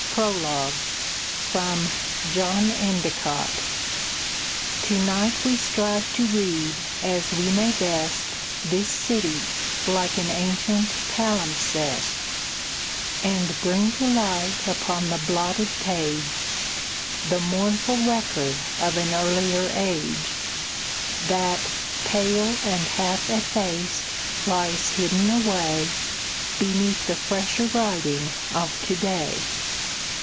PROLOGUE From "John Endicott" To night we strive to read, as we may best, This city, like an ancient palimpsest; And bring to light, upon the blotted page, The mournful record of an earlier age, That, pale and half effaced, lies hidden away Beneath the fresher writing of to day.